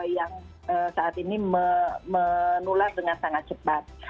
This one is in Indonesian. yang saat ini menular dengan sangat cepat